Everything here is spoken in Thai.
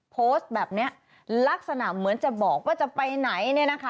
โพสต์แบบนี้ลักษณะเหมือนจะบอกว่าจะไปไหน